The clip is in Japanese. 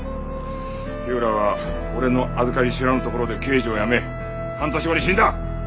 火浦は俺のあずかり知らぬところで刑事を辞め半年後に死んだ！